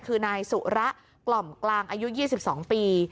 คือนายสุระกล่อมกลางอายุ๒๒ปี